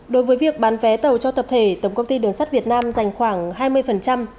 đối với việc bán vé tàu cho tập thể tổng công ty đường sắt việt nam dành khoảng hai mươi tổng số phương án bán vé cho các tập thể